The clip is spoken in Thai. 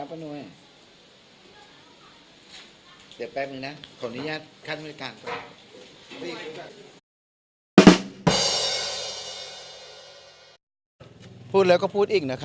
พูดเราก็พูดอีกนะครับ